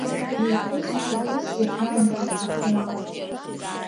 Иутәыз-иҳәатәыз зегь раамҭа хынҳәуам.